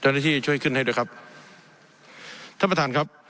เจ้าหน้าที่ช่วยขึ้นให้ด้วยครับท่านประธานครับ